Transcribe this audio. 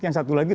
yang satu lagi